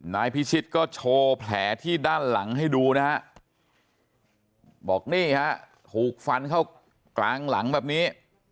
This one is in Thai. นายพิชิตก็โชว์แผลที่ด้านหลังให้ดูนะฮะบอกนี่ฮะถูกฟันเข้ากลางหลังแบบนี้